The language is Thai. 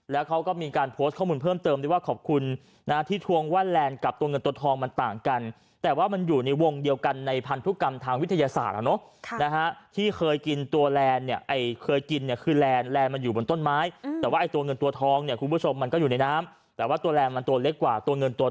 แล้วเขาก็มีการโพสต์ข้อมูลเพิ่มเติมด้วยว่าขอบคุณนะที่ทวงว่าแลนด์กับตัวเงินตัวทองมันต่างกันแต่ว่ามันอยู่ในวงเดียวกันในพันธุกรรมทางวิทยาศาสตร์อ่ะเนอะนะฮะที่เคยกินตัวแลนด์เนี่ยไอ้เคยกินเนี่ยคือแลนด์แลนด์มันอยู่บนต้นไม้แต่ว่าไอ้ตัวเงินตัวทองเนี่ยคุณผู้ชมมันก็อยู่ในน้ำแต่ว่าตัวแลนดมันตัวเล็กกว่าตัวเงินตัว